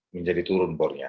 menjadi turun bornya